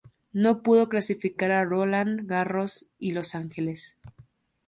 No pudo clasificar a Roland Garros y Los Ángeles.